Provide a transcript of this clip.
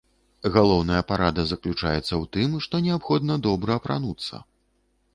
Галоўная парада заключаецца ў тым, што неабходна добра апрануцца.